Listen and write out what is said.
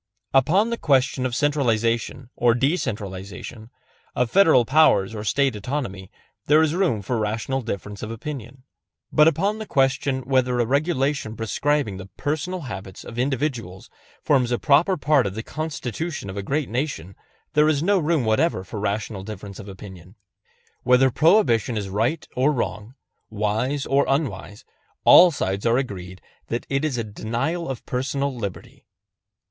Upon the question of centralization or decentralization, of Federal power or State autonomy, there is room for rational difference of opinion. But upon the question whether a regulation prescribing the personal habits of individuals forms a proper part of the Constitution of a great nation there is no room whatever for rational difference of opinion. Whether Prohibition is right or wrong, wise or unwise, all sides are agreed that it is a denial of personal liberty.